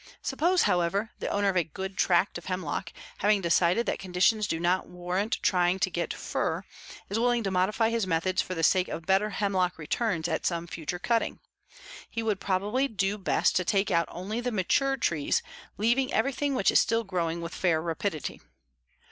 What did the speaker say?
Suppose, however, the owner of a good tract of hemlock, having decided that conditions do not warrant trying to get fir, is willing to modify his methods for the sake of better hemlock returns at some future cutting. He would probably do best to take out only the mature trees, leaving everything which is still growing with fair rapidity.